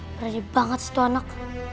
berani banget situ anak